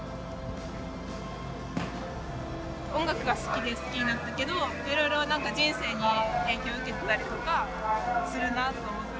音楽が好きで好きになったけどいろいろなんか人生に影響を受けてたりとかするなと思って。